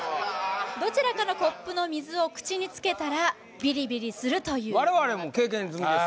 どちらかのコップの水を口につけたらビリビリするというわれわれも経験済みです